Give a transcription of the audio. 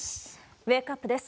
ウェークアップです。